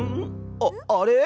あっあれ？